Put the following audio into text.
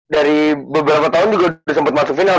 dari beberapa tahun juga udah sempet masuk final